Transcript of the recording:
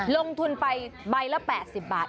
ลงทุนไปใบละ๘๐บาท